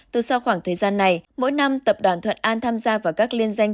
từ sau khoảng thời gian này mỗi năm tập đoàn thuận an tham gia vào các liên danh